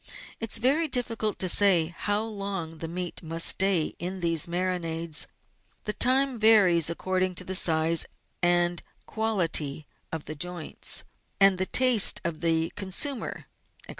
It is very difficult to say how long the meat must stay in these marinades ; the time varies according to the size and quality of the joints, and the taste of the consumer, &c.